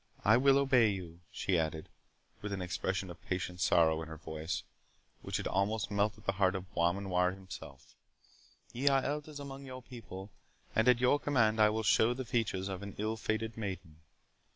I will obey you," she added, with an expression of patient sorrow in her voice, which had almost melted the heart of Beaumanoir himself; "ye are elders among your people, and at your command I will show the features of an ill fated maiden."